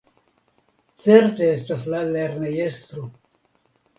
Certe estas la lernejestro.